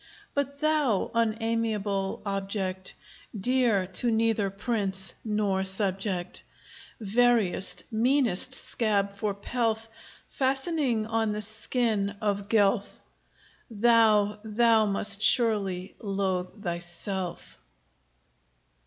But thou, unamiable object, Dear to neither prince nor subject, Veriest, meanest scab for pelf Fastening on the skin of Guelph, Thou, thou must surely loathe thyself.